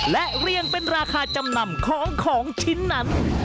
และเรียงเป็นราคาจำนำของของชิ้นนั้น